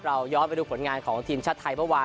ย้อนไปดูผลงานของทีมชาติไทยเมื่อวาน